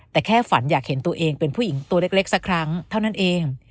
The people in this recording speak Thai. แต่แค่ฝันอยากเห็นตัวเองเป็นผู้หญิงตัวเล็กสักครั้งเท่านั้นเอง